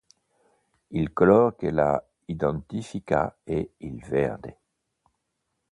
Il colore che la identifica è il verde.